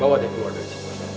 bawa deh keluar dari sini